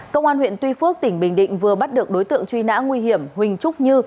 công an huyện tuy phước tỉnh bình định vừa bắt được đối tượng truy nã nguy hiểm huỳnh trúc như